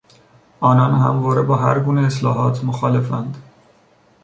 آنان همواره با هر گونه اصلاحات مخالفند.